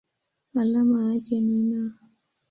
Alama yake ni Na.